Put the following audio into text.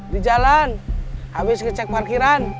di jalan habis ngecek parkiran